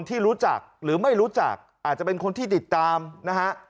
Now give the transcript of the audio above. ที่รู้จักหรือไม่รู้จักอาจจะเป็นคนที่ติดตามนะฮะ